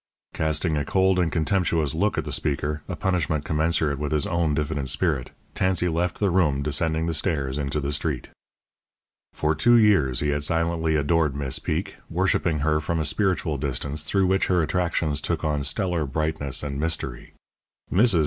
Casting a cold and contemptuous look at the speaker a punishment commensurate with his own diffident spirit Tansey left the room, descending the stairs into the street. For two years he had silently adored Miss Peek, worshipping her from a spiritual distance through which her attractions took on stellar brightness and mystery. Mrs.